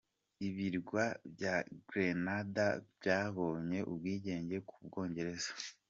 Ibirwa bya Grenada byabonye ubwigenge ku bwongereza.